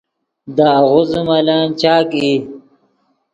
دے آغوزے ملن چاک ای